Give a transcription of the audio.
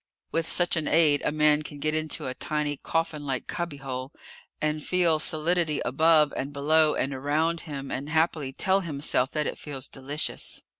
With such an aid, a man can get into a tiny, coffinlike cubbyhole, and feel solidity above and below and around him, and happily tell himself that it feels delicious.